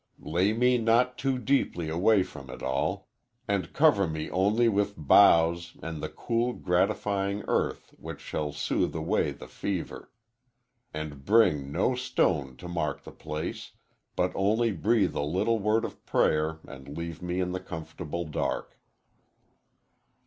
Lay me not too deeply away from it all, and cover me only with boughs and the cool, gratifying earth which shall soothe away the fever. And bring no stone to mark the place, but only breathe a little word of prayer and leave me in the comfortable dark.